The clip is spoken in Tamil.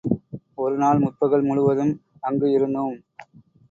ஒரு நாள் முற்பகல் முழுவதும் அங்கு இருந்தோம்.